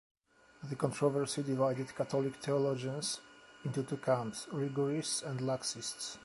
The controversy divided Catholic theologians into two camps, Rigorists and Laxists.